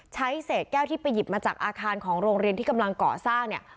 ใช้เศษแก้วที่ไปหยิบมาจากอาคารของโรงเรียนที่กำลังก่อสร้างเนี่ย